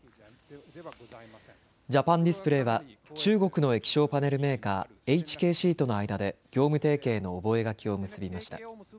ジャパンディスプレイは中国の液晶パネルメーカー、ＨＫＣとの間で業務提携の覚書を結びました。